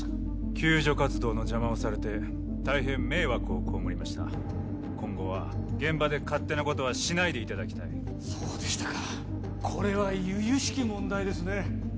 救助活動の邪魔をされて大変迷惑をこうむりました今後は現場で勝手なことはしないでいただきたいそうでしたかこれは由々しき問題ですね